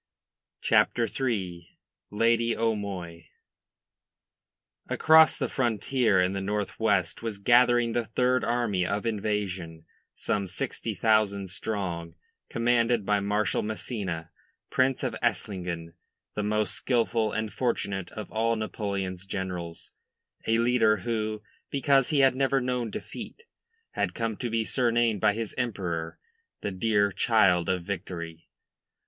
CHAPTER III. LADY O'MOY Across the frontier in the northwest was gathering the third army of invasion, some sixty thousand strong, commanded by Marshal Massena, Prince of Esslingen, the most skilful and fortunate of all Napoleon's generals, a leader who, because he had never known defeat, had come to be surnamed by his Emperor "the dear child of Victory."